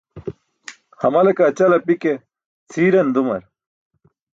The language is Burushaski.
Hamale kaa ćal api ke cʰiiran dumar.